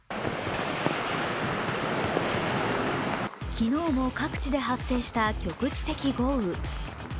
昨日も各地で発生した局地的豪雨。